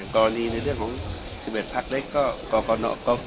เกาะนี้ในเรื่องของ๑๑พักละเอกแล้วก็